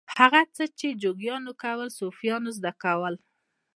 هغه څه چې جوګیانو کول صوفیانو زده کړل.